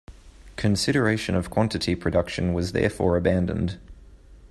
Consideration of quantity production was therefore abandoned.